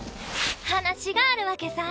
話があるわけさ？